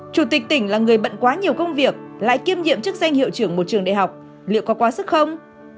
chủ tịch tỉnh là người bận quá nhiều công việc lại kiêm nhiệm chức danh hiệu trưởng một trường đại học liệu có quá sức không